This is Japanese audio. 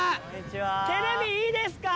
テレビいいですか？